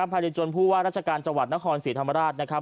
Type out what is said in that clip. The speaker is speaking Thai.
ภายในจนผู้ว่าราชการจังหวัดนครศรีธรรมราชนะครับ